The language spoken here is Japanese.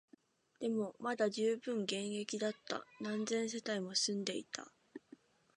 でも、まだ充分現役だった、何千世帯も住んでいた